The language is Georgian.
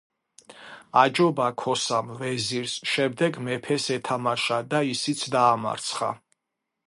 აჯობა ქოსამ ვეზირს, შემდეგ მეფეს ეთამაშა და ისიც დაამარცხა.